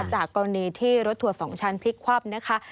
จากกรณีที่รถทัวร์๒ชั้นพลิกคว่ำนะคะ